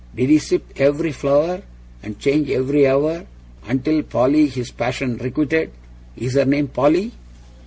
Did he sip every flower, and change every hour, until Polly his passion requited? Is her name Polly?